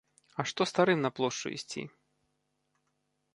А што старым на плошчу ісці?